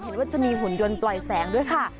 เห็นว่าจะมีหุ่นยนต์ปล่อยแสงด้วยค่ะ